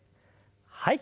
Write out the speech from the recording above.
はい。